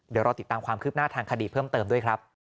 เดี๋ยวรอติดตามความคืบหน้าทางคดีเพิ่มเติมด้วยครับ